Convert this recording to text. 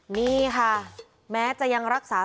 นี่ค่ะ